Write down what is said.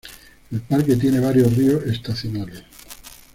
El parque tiene varios ríos estacionales.